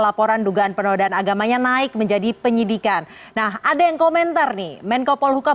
laporan dugaan penodaan agamanya naik menjadi penyidikan nah ada yang komentar nih menko polhukam